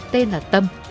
tên là tâm